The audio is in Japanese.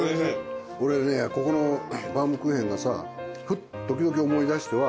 俺ねここのバウムクーヘンがさ時々思い出しては。